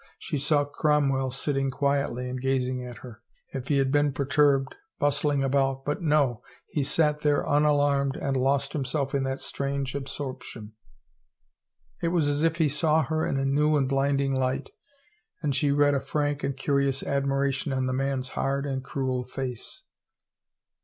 She saw Crom well sitting quietly and gazing at her. If he had been perturbed, bustling about — but no, he sat there un alarmed and lost himself in that strange absorption. It was as if he saw her in a new and blinding light and she read a frank and curious admiration on the man's hard and cruel face.